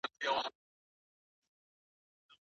پښتانه بايد په يوه ليکنۍ ژبه ولیکي.